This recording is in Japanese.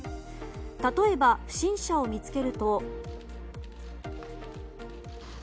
例えば、不審者を見つけると。